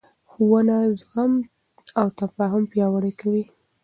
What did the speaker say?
ښوونه زغم او تفاهم پیاوړی کوي